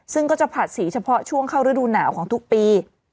ซึ่งก็จะผลัดสีเฉพาะช่วงเข้าฤดูหนาวของทุกปี